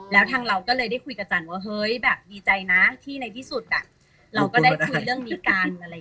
แล้วทางเราก็เลยได้คุยกับจันทร์ว่าเฮ้ยแบบดีใจนะที่ในที่สุดเราก็ได้คุยเรื่องนี้กันอะไรอย่างนี้